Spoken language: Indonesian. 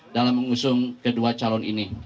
dalam mengusung kedua calon ini